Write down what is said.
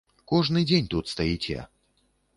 Кожны дзень тут стаіце.